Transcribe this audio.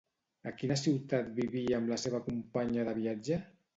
A quina ciutat vivia amb la seva companya de viatge?